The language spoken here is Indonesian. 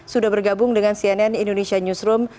sudah bergabung dengan cnn indonesia newsroom